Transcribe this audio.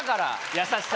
優しさ。